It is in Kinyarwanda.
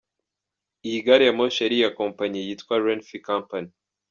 Iyi gariyamoshi yari iya kompanyi yitwa Renfe company.